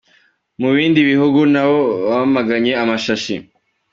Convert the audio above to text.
Mubindi bihugu Na bo bamaganye amashashi